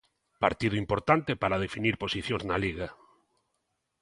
Partido importante para definir posicións na Liga.